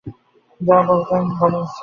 যা বলবেন স্যার।